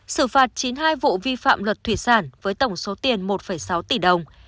xử phạt chín mươi hai vụ vi phạm luật thủy sản với tổng số tiền một sáu tỷ đồng